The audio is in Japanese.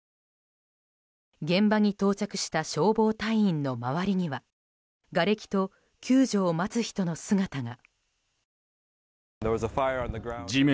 現場に到着した消防隊員の周りにはがれきと、救助を待つ人の姿が。